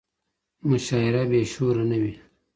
مشاعره بې شوره نه وي.